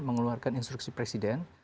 mengeluarkan instruksi presiden